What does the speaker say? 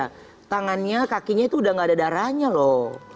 nah tangannya kakinya itu udah gak ada darahnya loh